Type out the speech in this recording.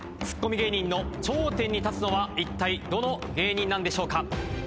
ツッコミ芸人の頂点に立つのはいったいどの芸人なんでしょうか？